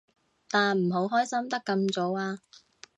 但唔好開心得咁早啊